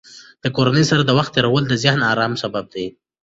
د کورنۍ سره د وخت تېرول د ذهني ارام سبب دی.